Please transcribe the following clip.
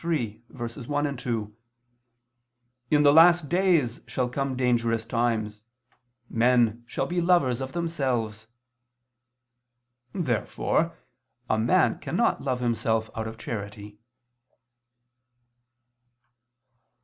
3:1, 2): "In the last days shall come dangerous times, men shall be lovers of themselves." Therefore a man cannot love himself out of charity.